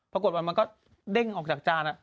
ปรากฏว่ามันก็เด้งออกจากจาน